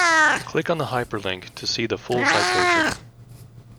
Click on the hyperlink to see the full citation.